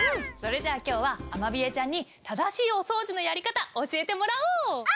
それじゃあ今日はアマビエちゃんに正しいお掃除のやり方教えてもらおう！